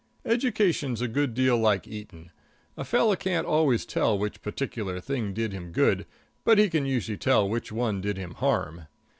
Education's a good deal like eating a fellow can't always tell which particular thing did him good, but he can usually tell which one did him harm.